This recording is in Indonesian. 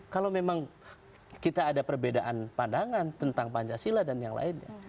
kalau memang kita ada perbedaan pandangan tentang pancasila dan yang lainnya